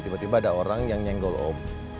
tiba tiba ada orang yang nyenggol om